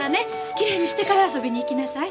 きれいにしてから遊びに行きなさい。